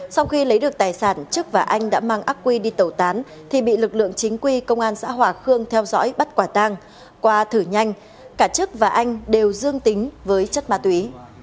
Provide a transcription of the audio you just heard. sau khi lấy được tài sản trức và anh đã mang ác quy đi tẩu tán thì bị lực lượng chính quy công an xã hòa khương theo dõi bắt quả tang qua thử nhanh cả trức và anh đều dương tính với chất ma túy